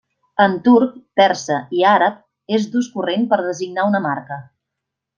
En turc, persa i àrab és d'ús corrent per designar una marca.